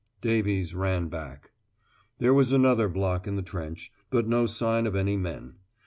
Davies ran back. There was another block in the trench, but no sign of any men.